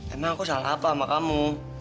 emang aku salah apa sama kamu